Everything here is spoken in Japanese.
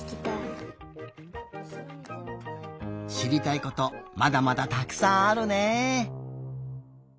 しりたいことまだまだたくさんあるね。